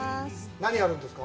何、やるんですか。